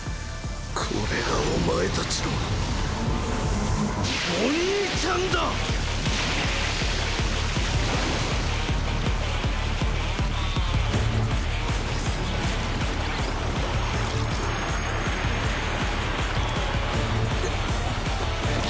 これがお前たちのお兄ちゃんだ！あっ。